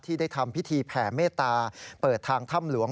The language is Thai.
ได้ทำพิธีแผ่เมตตาเปิดทางถ้ำหลวง